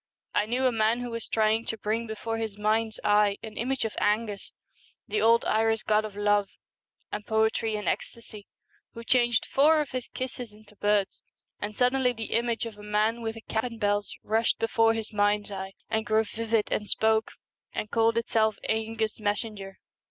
I knew a man who was trying to bring before his mind's eye an image of /Engus, the old Irish god of love and poetry and ecstasy, who changed four of his kisses into birds, and suddenly the image of a man with a cap and bells rushed before his mind's eye, and grew vivid and spoke and called itself ' ^Engus' messenger.'